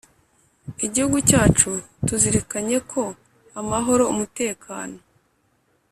Igihugu cyacu; tuzirikanye ko amahoro, umutekano,